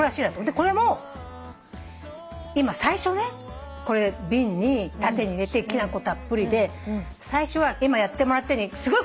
でこれも最初ねこれ瓶に縦に入れてきな粉たっぷりで最初は今やってもらったようにすごいこぼれるじゃない？